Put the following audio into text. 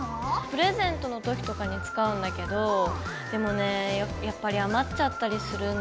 プレゼントの時とかに使うんだけどでもねやっぱり余っちゃったりするんだよね。